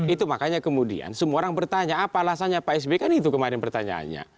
itu makanya kemudian semua orang bertanya apa alasannya pak sby kan itu kemarin pertanyaannya